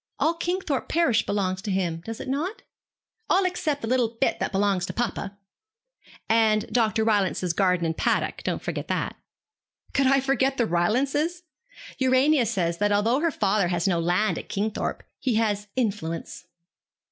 All Kingthorpe parish belongs to him, does it not?' 'All except the little bit that belongs to papa.' 'And Dr. Rylance's garden and paddock; don't forget that.' 'Could I forget the Rylances? Urania says that although her father has no land at Kingthorpe, he has influence.'